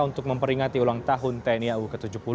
untuk memperingati ulang tahun tni au ke tujuh puluh